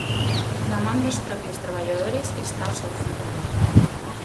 Na man dos propios traballadores está o seu futuro.